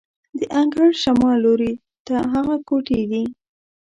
د انګړ شمال لوري ته هغه کوټې دي.